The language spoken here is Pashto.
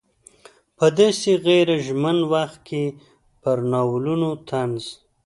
په داسې غیر ژمن وخت کې پر ناولونو طنز.